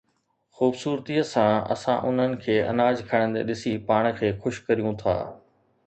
خوبصورتيءَ سان اسان انهن کي اناج کڻندي ڏسي پاڻ کي خوش ڪريون ٿا